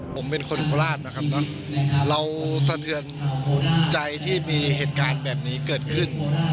ผมเป็นคนโคราชนะครับเราสะเทือนใจที่มีเหตุการณ์แบบนี้เกิดขึ้น